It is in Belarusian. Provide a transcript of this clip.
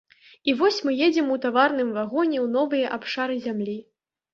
І вось мы едзем у таварным вагоне ў новыя абшары зямлі.